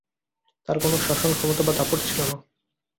তাঁর কোন শাসন-ক্ষমতা বা দাপট ছিল না।